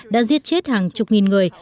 đã giết chết hàng chục nghìn người